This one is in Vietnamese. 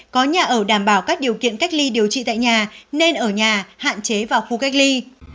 có nhà ở đảm bảo các điều kiện cách ly điều trị tại nhà nên ở nhà hạn chế vào khu cách ly